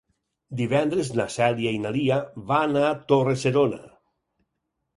Divendres na Cèlia i na Lia van a Torre-serona.